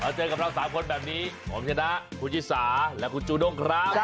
เราเจอกันกับเรา๓คนแบบนี้โอ้มชนะคู่ชิสาและคู่จูน้องครับ